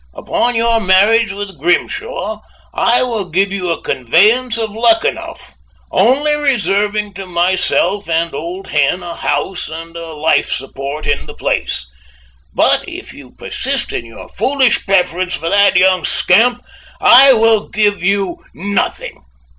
Upon your marriage with Grimshaw, I will give you a conveyance of Luckenough only reserving to myself and Old Hen a house, and a life support in the place; but if you will persist in your foolish preference for that young scamp, I will give you nothing.